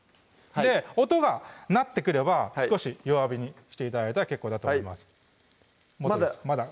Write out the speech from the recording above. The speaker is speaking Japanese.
音が鳴ってくれば少し弱火にして頂いたら結構だと思いますまだ？